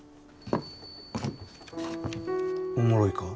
おもろいか？